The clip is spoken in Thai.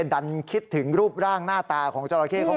ดันคิดถึงรูปร่างหน้าตาของจราเข้ของเขา